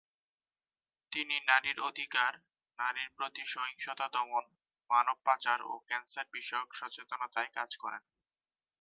তিনি নারীর অধিকার, নারীর প্রতি সহিংসতা দমন, মানব পাচার ও ক্যান্সার বিষয়ক সচেতনতায় কাজ করেন।